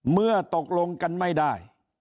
เมื่อตกลงกันไม่ได้